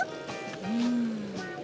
うん。